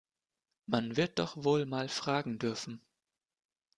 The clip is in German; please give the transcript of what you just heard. Man wird doch wohl mal fragen dürfen!